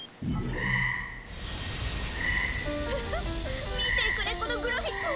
フフッ見てくれこのグラフィックを！